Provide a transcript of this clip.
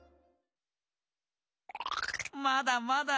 まだまだ。